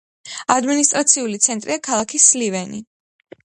ადმინისტრაციული ცენტრია ქალაქი სლივენი.